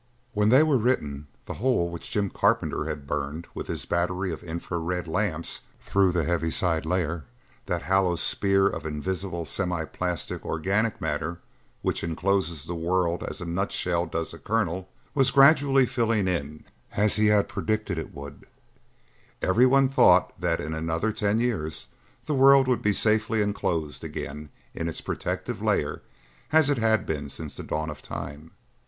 When they were written the hole which Jim Carpenter had burned with his battery of infra red lamps through the heaviside layer, that hollow sphere of invisible semi plastic organic matter which encloses the world as a nutshell does a kernel, was gradually filling in as he had predicted it would: every one thought that in another ten years the world would be safely enclosed again in its protective layer as it had been since the dawn of time.